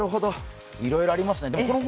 いろいろありますね。